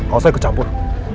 gak usah ikut campur